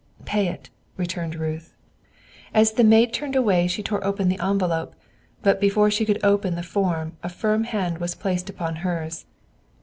"Pay it," returned Ruth. As the maid turned away, she tore open the envelope. Before she could open the form, a firm hand was placed upon hers.